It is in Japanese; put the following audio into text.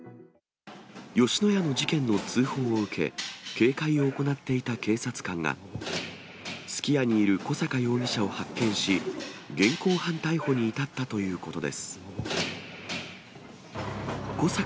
吉野家の事件の通報を受け、警戒を行っていた警察官が、すき家にいる小阪容疑者を発見し、現行犯逮捕に至ったということです。